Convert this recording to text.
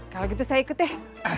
kalau gitu saya ikut deh